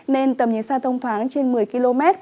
nên tầm nhìn xa thông thoáng trên một mươi km